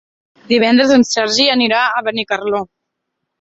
Divendres en Sergi anirà a Benicarló.